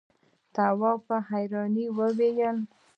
تواب په حيرانۍ وويل: